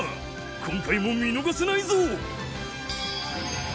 今回も見逃せないぞ